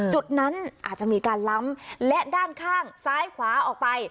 จุดนั้นอาจจะมีการล้ำและด้านข้างซ้ายขวาออกไป